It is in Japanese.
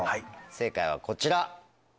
正解はこちら。